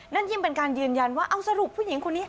ยิ่งเป็นการยืนยันว่าเอาสรุปผู้หญิงคนนี้